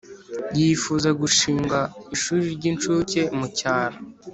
yifuza gushinga ishuri ry incuke mu cyaro